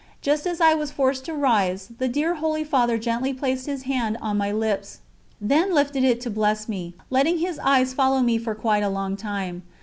Just as I was forced to rise, the dear Holy Father gently placed his hand on my lips, then lifted it to bless me, letting his eyes follow me for quite a long time.